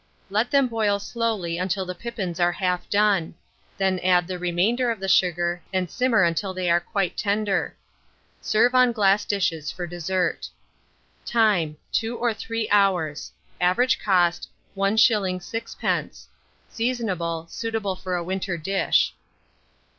Let them boil slowly until the pippins are half done; then add the remainder of the sugar, and simmer until they are quite tender. Serve on glass dishes for dessert. Time. 2 to 3 hours. Average cost, 1s. 6d. Seasonable. Suitable for a winter dish.